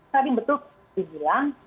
tadi betul di bilang